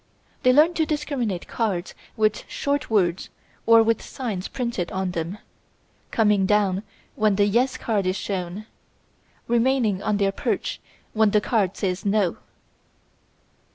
They learn to discriminate cards with short words or with signs printed on them, coming down when the "Yes" card is shown, remaining on their perch when the card says "No."